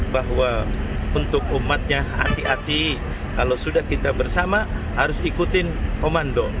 bahwa untuk umatnya hati hati kalau sudah kita bersama harus ikutin komando